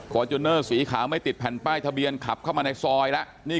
จูเนอร์สีขาวไม่ติดแผ่นป้ายทะเบียนขับเข้ามาในซอยแล้ว